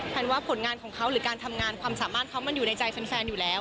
ว่าผลงานของเขาหรือการทำงานความสามารถเขามันอยู่ในใจแฟนอยู่แล้ว